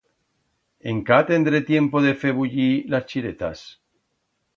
Encá tendré tiempo de fer bullir las chiretas.